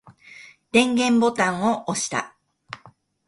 電源ボタンを押した。